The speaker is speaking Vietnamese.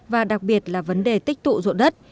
và đặc biệt là vấn đề tích tụ ruộng đất